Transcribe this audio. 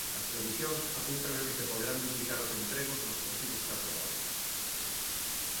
As previsións apuntan a que se poderán duplicar os empregos nos próximos catro anos.